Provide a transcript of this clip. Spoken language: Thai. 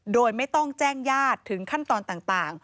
โดยไม่ต้องแจ้งญาติถึงขั้นตอนต่าง